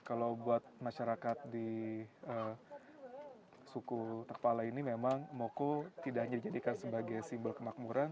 kalau buat masyarakat di suku tekpala ini memang moko tidak hanya dijadikan sebagai simbol kemakmuran